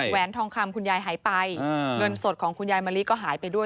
แหนทองคำคุณยายหายไปเงินสดของคุณยายมะลิก็หายไปด้วย